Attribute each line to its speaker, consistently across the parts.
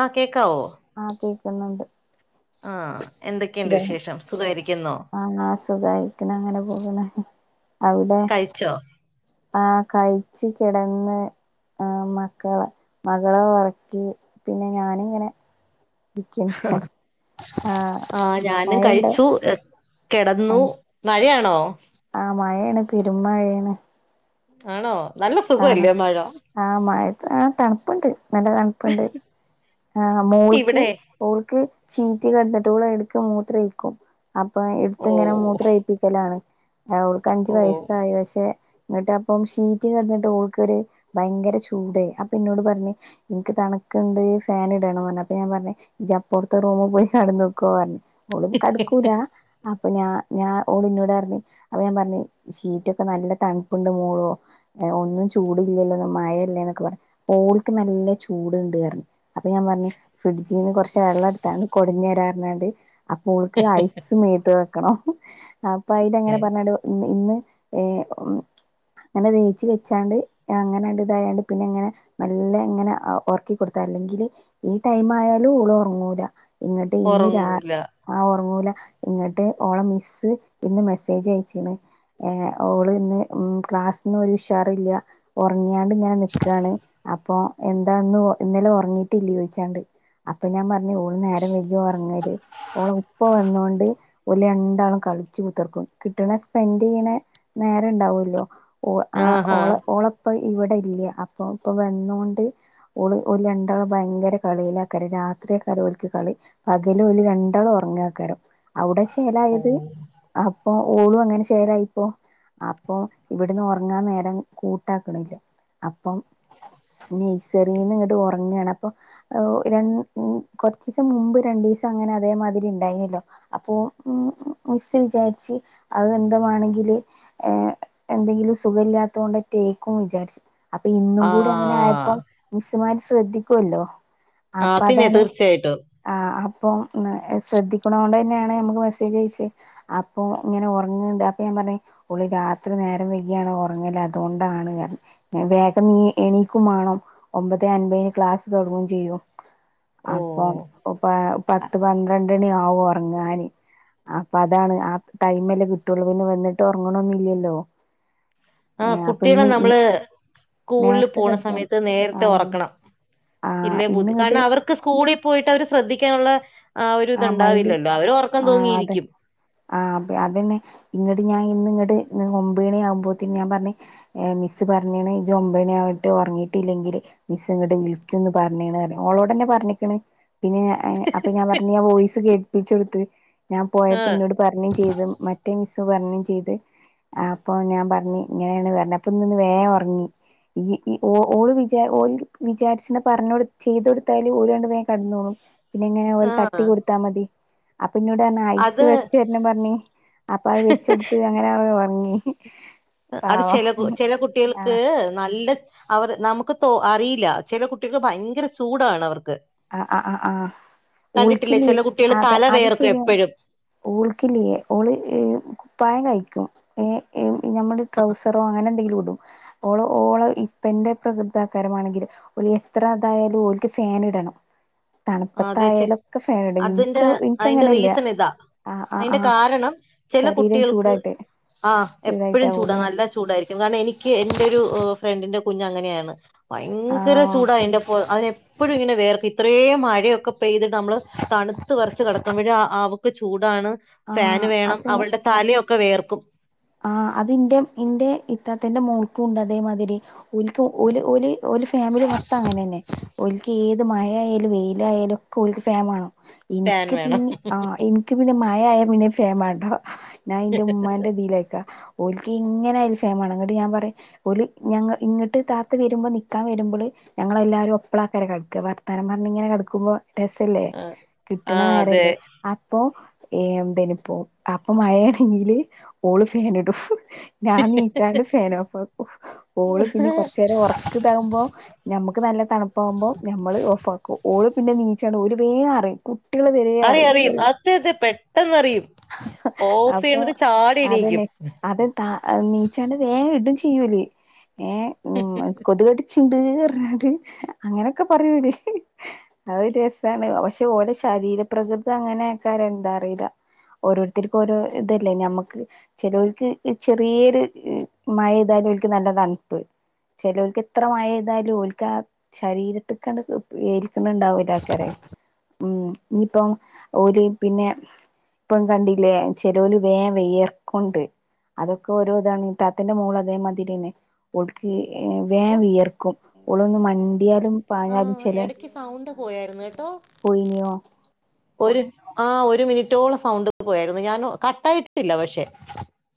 Speaker 1: ആഹ് കേ
Speaker 2: ആഹ് കേക്കുന്നുണ്ട്
Speaker 1: ആഹ് എന്തൊക്കെയുണ്ട് വിശേഷം സുഖാരിക്കുന്നോ
Speaker 2: ആഹ് സുഖായിരിക്കണ് അങ്ങനെ പോകണ് അവിടെ ആ കഴിച്ച് കിടന്ന് ആ മക്കളെ മകളെ ഉറക്കി പിന്നെ ഞാനിങ്ങനെ ഇരിക്കണ്ട് ആഹ്
Speaker 1: ആ ഞാനും
Speaker 2: മഴയുണ്ടോ
Speaker 1: കഴിച്ചു കിടന്നു മഴയാണോ
Speaker 2: ആ മഴയാണ് പെരും മഴയാണ്
Speaker 1: ആണോ നല്ല സുഖല്ലേ മഴ
Speaker 2: ആ തണുപ്പുണ്ട് നല്ല തണുപ്പുണ്ട് ആഹ് മോൾക്ക്
Speaker 1: ഇവിടെ
Speaker 2: മോൾക്ക് ചീറ്റി കിടന്നിട്ട് ഓള് എടുക്ക് മൂത്രയ്ക്കും അപ്പൊ എടുത്ത്
Speaker 1: ഓ
Speaker 2: ഇങ്ങനെ മൂത്രം ഉഴിപ്പിക്കലാണ് അവൾക്ക് അഞ്ചു
Speaker 1: ഓ
Speaker 2: വയസ്സായി പക്ഷെ എന്നിട്ട് അപ്പം ഷീറ്റ് കണ്ടിട്ട് ഓൾക്കൊര് ഭയങ്കര ചൂടായി അപ്പൊ ഇന്നോട് പറഞ്ഞ് എനിക്ക് തണു ക്കണ്ട് ഈ ഫാൻ ഇടണന്ന് അപ്പൊ ഞാൻ പറഞ്ഞ് ജഅപ്പറത്തെ റൂമ് പോയി കിടനോക്കൊ പറഞ്ഞ് ഓള് കടുക്കൂലാ അപ് അപ്പൊ ഞാ ഞാൻ ഓള് ഇന്നോടെ പറഞ്ഞ് അപ്പൊ ഞാൻ പറഞ്ഞു ഷീറ്റൊക്കെ നല്ല തണുപ്പുണ്ട് മോളു ഒന്നും ചൂട്ല്ലല്ലോ ഒന്നും മഴല്ലേന്നൊക്കെ പറ ഓല്ക്ക് നല്ല ചൂട്ണ്ട്റ്ഞ്ഞ് അപ്പൊ ഞാന് പറഞ്ഞ് ഫ്രിഡ്ജീന്ന് കൊറച്ച് വെള്ളട്ത്താണ്ട് കൊടഞ്ഞേരാറ്ഞ്ഞാണ്ട് അപ്പൊ ഓൾക്ക് ഐസ് മേത്ത് വെക്കണം അപ്പൊ അയിലെങ്ങനെ പറഞ്ഞാണ്ട് ഇ ഇന്ന് ഏ ഉം അങ്ങനെ വേച്ച് വെച്ചാണ്ട് അങ്ങനാണ്ട് ഇതയാണ്ട് പിന്നെങ്ങനെ മെല്ലേങ്ങനെ ഒറക്കി കൊടുത്താ അല്ലെങ്കി ല് ഈ ടൈമായാലും ഓള് ഒറങ്ങൂല ഇങ്ങട്ട് ഇന്ന് രാ
Speaker 1: ഉറങ്ങൂല
Speaker 2: ആ ഒറങ്ങൂല ഇങ്ങട്ട് ഓള മിസ്സ്‌ ഇന്ന് മെസ്സേജ് അയച്ച്ണ് ഓള് ഇന്ന് ഉം ക്ലാ സ്ന്ന് ഒര് ഉഷാറില്ല ഒറങ്ങി ങ്ങാടിങ്ങനെ നിക്കാണ് അപ്പോ എന്താ ഇന്ന് ഇന്നലെ ഉറങ്ങി ട്ടില്ല്യാ ചോയിച്ചാണ്ട് അപ്പ ഞാൻ പറ ഞ്ഞ് ഓള് നേരം വൈകിയ ഒറങ്ങല് ഓള ഉപ്പ വന്നൊണ്ട് ഓല് ര ണ്ടാളു കളിച്ച് കുത്തർക്കും കിട്ട്ണ സ്പെൻന്റെയ്യ്ണെ നേരണ്ടാവോല്ലോ ഓ അ
Speaker 1: ആഹാ
Speaker 2: ഓ ഓളപ്പ ഇവിടെ ഇല്ല അപ്പൊ ഇപ്പൊ വന്നൊണ്ട് ഓള് ഓല് രണ്ട് ളും ഭയങ്കര കളിയിലാക്കരം രാത്രിയെക്കാരം ഒല്ക്ക് കളി പകല് ഓല് രണ്ടാളും ഒറങ്ങക്കാരം അവ്ടെ
Speaker 1: ഓ
Speaker 2: ചെലായത് അപ്പൊ ഓളും അങ്ങനെ ചെലായിപ്പോ അപ്പൊ ഇവിട്ന്ന് ഒറങ്ങാൻ നേരം കൂട്ടാക്ക്ണ്ല്ല അപ്പം നെയ്സെറിന്ന്ങ്ങട്ട് ഒ റ്ങ്ങാണ് അപ്പൊ ഒ ര മ് കൊറച്ചീസം മുമ്പ് രണ്ടീസം അങ്ങനെ അതേമാതിരിണ്ടായിനല്ലോ അപ്പോ ഉം മിസ്സ്‌ വിചാരിച്ച് അത് എന്തമാണെങ്കില് എ എന്തെ ങ്കിലും സുഖല്ലാത്തൊണ്ടറ്റേക്കും വിചാരി അപ്പൊ ഇന്നും കൂടി
Speaker 1: ആഹ്
Speaker 2: അങ്ങനായപ്പം മിസ്സ്മാര് ശ്രദ്ധിക്കുല്ലോ
Speaker 1: ആ
Speaker 2: അപ്പ
Speaker 1: പിന്നെ
Speaker 2: അതാണ്
Speaker 1: തീർച്ചയായിട്ടും
Speaker 2: ആ അ പ്പോ ശ്രദ്ധിക്ക്ണോണ്ടന്നേണ് നമ്മക്ക് മെസ്സേജയ്ച്ചേ അപ്പൊ ഇങ്ങനെ ഒറങ്ങ്ണ്ട് അപ്പൊ ഞാൻ പ ഞ്ഞ് ഓള് രാത്രി നേരം വൈകിയാണ് ഒറങ്ങല് അതൊണ്ടാണ്റഞ്ഞ് വേഗം എണീക്കും മാണം ഒമ്പതേ അൻ മ്പേന് ക്ലാസ് തോടങ്ങും ചെയ്യും
Speaker 1: ഓ
Speaker 2: അപ്പൊ പ പത്ത്പന്ത്ര ണ്ടണി ആവും ഒറങ്ങാന് അപ്പൊ അതാണ് ആ ടൈമല്ലേ കിട്ടോള്ളൂ പിന്നെ വന്നിട്ട് ഒറങ്ങ്ണൊന്നില്ലല്ലോ
Speaker 1: ആ കുട്ട്യാളെ നമ്മള് സ്കൂളില്
Speaker 2: നേരത്തെ
Speaker 1: പോണ
Speaker 2: കെടത്താണ്
Speaker 1: സമയത്ത് നേരത്തെ
Speaker 2: ആഹ്
Speaker 1: ഒറക്കണം
Speaker 2: ആഹ്
Speaker 1: ഇന്നേ ബുന്ദ്
Speaker 2: ഇന്നിങ്ങട്ട്
Speaker 1: കാരണം അവർക്ക് സ്കൂളി പോയിട്ട് അവരേ ശ്രദ്ധിക്കാന്ള്ള ആ ഒര്
Speaker 2: ആഹ് മൈൻഡ്
Speaker 1: ഇത്ണ്ടാവില്ലല്ലോ അവര് ഒറക്കം തൂങ്ങിയിരിക്കും
Speaker 2: ആ അ അതന്നെ ഇങ്ങട്ട് ഞാൻ ഇന്ന് ഇങ്ങട്ട് ഒമ്പണി ആവുമ്പോത്തിന് ഞാൻ പറഞ്ഞ് മിസ്സ് പറഞ്ഞ്ണ് ഇജ്ജ് ഒമ്പണി ആയിട്ട് ഉറങ്ങിയിട്ടില്ലെങ്കിൽ മിസ് ഇങ്ങട്ട് വിളിക്കുന്ന് പറഞ്ഞ്ണ് ഓളോടേന്നെ പറ് ഞ്ഞ്ക്ക്ണ് പിന്നെ ഞ അ അപ്പൊ ഞാൻ പറ മിസ്സ് കേള്പ്പിച്ചൊട്ത്ത് ഞാൻ
Speaker 1: ആഹ്
Speaker 2: പോയപ്പന്നോട് പറഞ്ഞും ചെയ്ത് മറ്റേ മിസ്റ്റ് പറഞ്ഞ് ചെയ്ത് അപ്പൊ ഞാൻ പറഞ്ഞ് ഇങ്ങനെയാണ് പറഞ്ഞ് അപ്പൊ ഇന്ന്ന്ന് വേഗം ഒറങ്ങി ഈ ഇ ഓ ഓള് വിചാ ഓല് വിചാരിച്ച്ണ പറഞ്ഞ് ചെയ്തടുത്താല് ഓലാണ്ട് വേ കടന്നോളും പിന്നെങ്ങനെ ഓളെ
Speaker 1: ആ
Speaker 2: തട്ടി കൊടുത്താ മതി ഇന്നോട്റ്ഞ്ഞ് ഐസ്
Speaker 1: അത്
Speaker 2: വെച്ചര്ണം പറഞ്ഞ് അപ്പത് വെച്ചെട്ത്ത് അങ്ങനെ അവ ഒറങ്ങി
Speaker 1: അത് ചെല കു ചെല കുട്ട്യാള്ക്ക്
Speaker 2: ആഹ്
Speaker 1: നല്ല അവർ നമുക്ക് തോ അറീല്ല ചെല കുട്ടിക്ക് ഭയങ്കര ചൂടാണ് അവർ
Speaker 2: ആ ആഹ് ആ
Speaker 1: കണ്ടിട്ടില്ലേ
Speaker 2: ഓല്ക്കില്ലേ
Speaker 1: ചില കുട്ടികൾ
Speaker 2: അത
Speaker 1: തല
Speaker 2: അത്
Speaker 1: വേർക്കും
Speaker 2: ശരിയാണ്
Speaker 1: എപ്പോഴും
Speaker 2: ഓല്ക്കില്ല്യാ ഓള് കുപ്പായം കഴി ക്കും എ ഏ നമ്മടെ ട്രൗസറോ അങ്ങനെന്തെങ്കിലു ഉട് ഓള് ഓള ഇപ്പന്റെ പ്രകൃതക്കാരമാണെങ്കിൽ ഓല് എത്ര ഇതായാലും ഓല്ക്ക് ഫാന് ഇടണം
Speaker 1: അതെച്ചെ
Speaker 2: തണുപ്പത്തായാലൊക്കെ ഫാൻ ഇടും
Speaker 1: അത്ന്റെ
Speaker 2: ഇൻക്ക്
Speaker 1: അതിന്റെ
Speaker 2: ഇൻക്കങ്ങനെല്ല
Speaker 1: റീസൺ ഇതാ
Speaker 2: ആ ആ ആ
Speaker 1: അയിന്റെ കാരണം ചെല
Speaker 2: ശരീരം
Speaker 1: കുട്ടികൾക്ക്
Speaker 2: ചൂടായിട്ട്
Speaker 1: ആഹ് എപ്പഴും ചൂടാ
Speaker 2: ചൂടായിട്ടാവൂല്ലേ
Speaker 1: നല്ല ചൂടായിരിക്കും കാരണം എനിക്ക് എന്റോരു ഏ ഫ്രണ്ടിന്റെ കുഞ്ഞു അങ്ങനെയാണ്
Speaker 2: ആ
Speaker 1: ഭയങ്കര ചൂടാ അയിന്റെ പൊ അയിനെ പ്പഴും ഇങ്ങനെ വേർത്ത് ഇത്രേം മഴ ഴൊക്കെ പെയ്തിട്ട് നമ്മള് തണുത്ത് വെർച്ച് കിടക്കുമ്പഴ്‌ അവൾക് ചൂടാണ്
Speaker 2: ആ
Speaker 1: ഫാന് വേണം അവളുടെ തലയൊക്കെ വേയർക്കും
Speaker 2: ആ അതിന്റെ ഇന്റേം ഇത്തത്തന്റെ മോൾക്കുംണ്ട് അതേമാതിരി ഓല്ക് ഓല് ഓല് ഒരു ഫാമിലി മൊത്തം അങ്ങനെ ന്നെ ഓൽക്ക് ഏത് മഴയാലും വെയ്ലായാലും ഒക്കെ ഓൽക്ക് ഫെമ് മാണം
Speaker 1: ഫാൻ
Speaker 2: ഇൻക്ക്
Speaker 1: വേണം
Speaker 2: പിന്നെ ആ ഇൻക്ക് പിന്നെ മയായ പിന്നെ ഫേമ് മാണ്ടാ ഞാൻന്റെ ഉ്മാന്റെതീലാ ഓലിക്ക് ഇങ്ങനെയാലും ഫേമ് മാണം ങ്ങട്ട് ഞാൻ പറിം ഓല് ഞങ്ങ ഇങ്ങട്ട് താത്ത വരുമ്പോ നിക്കാൻ വരുമ്പോ ഞങ്ങളെല്ലാവരും ഒപ്പളാക്കരം കെട്ക്കാ വർതാനം പറഞ്ഞിങ്ങനെ കെട്ക്കുമ്പോ രസല്ലേ
Speaker 1: ആ
Speaker 2: കിട്ടണ
Speaker 1: അതെ
Speaker 2: നേരല്ലേ അപ്പൊ ഏ എന്തനിപ്പോ അപ്പൊ മയെണെങ്കില് ഓള് ഫാനിടും ഞാൻ നീച്ചാണ്ട് ഫേനോഫാക്കും ഓള് പിന്നെ കൊർചേരം ഒർക് താവുമ്പോ ഞമ്മ നമുക്ക് നല്ല തണുപ്പാകുമ്പോൾ നമ്മള് ഓഫാക്കും ഓള് പിന്നെ നീച്ചാണ്ട് ഒല് വേമറിമ് ട്ടിയാൾ വേരെ
Speaker 1: അറിയാം
Speaker 2: അറിമ്
Speaker 1: അറിയും
Speaker 2: ചെറിയെ കുട്ടിയാള്
Speaker 1: അതെ അതെ പെട്ടെന്നറിയും
Speaker 2: ആഹ്
Speaker 1: ഓഫ്
Speaker 2: അപ്പോ
Speaker 1: ചെയ്യണത് ചാടി
Speaker 2: അത്
Speaker 1: എണീക്കും
Speaker 2: ലെ അത് താ നീച്ചാണ്ട് വേഗം ഇടും ചെയ്യോല് ഏ ഉ കൊത്‌കട്ച്ച് ട് ഈഹ് പറഞ്കാണ്ട് അങ്ങനൊക്കെ പറ്യോല് അ ഒരു രസാണ് പക്ഷെ ഓല ശെ ശരീര പ്ര്രകൃത അങ്ങനെ ആക്കാരാ എന്താ അറിയില്ല ഓരോരുത്തർക്കും ഓരോ ഇതല്ലേ ഞമ്മക്ക് ചെലോൽക്ക് ചെറിയൊരു മഴതാല് ഓൽക്ക് നല്ല തണുപ്പ്. ചെലോൽക്ക് എത്ര മഴയ്താലും ഓൽക്ക് ആ ശരീരതത്ക്കണ്ട് ഏൽക്ണ്ണ്ടാവൂല ആക്കാര ഉം ഇനിയിപ്പം ഓര് പിന്നെ ഇപ്പൊ കണ്ടില്ലേ ചെലോല് വേം വേയർക്ക കൊണ്ട് അതൊക്കെ ഓരോ ഇതാണ് താത്തിന്റെ മോൾ അതേമാതിരി ന്നെ ഓൾക്ക്ഹ് ഇഹ്
Speaker 1: ഓ
Speaker 2: വേമ് വിയർക്കും ഉളൊന്ന് മണ്ടിയാലും
Speaker 1: ആ
Speaker 2: പാഞ്ഞാലും ചെലേ
Speaker 1: ഇടക്ക് സൗണ്ട് പോയായിരുന്നു കേട്ടോ
Speaker 2: പോയിന്യോ
Speaker 1: ഒരു ആ ഒരു മിനിറ്റോളം സൗണ്ട് പോയായിരുന്നു ഞാൻ കട്ട ആായിട്ടില്ല പക്ഷെ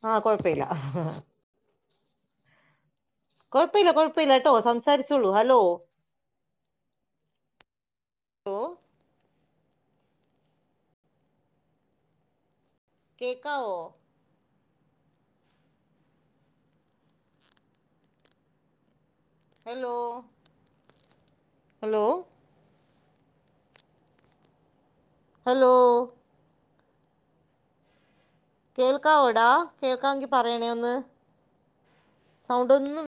Speaker 1: ആ- കുഴപെല്ല ഹാ ഹാ കൊഴപെല്ല കൊഴപെല്ല ട്ടോ സംസാരിച്ചോളൂ ഹലോ ലോ കേക്കാവോ? ഹലോ ഹലോ ഹലോ കേൾക്കാവോടാ കേൾക്കാവെങ്കി പറയണേ ഒന്ന് സൗണ്ട് ഒന്നും